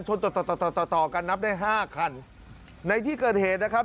ชนต่อต่อต่อต่อต่อต่อกันนับได้ห้าคันในที่เกิดเหตุนะครับ